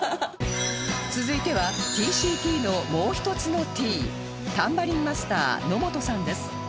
続いては ＴＣＴ のもう一つの Ｔ タンバリンマスター野本さんです